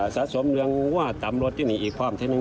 สะสมเรืองว่าตำรถที่นี่อีกความที่หนึ่ง